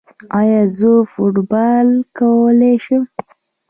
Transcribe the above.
ایا زه فوټبال کولی شم؟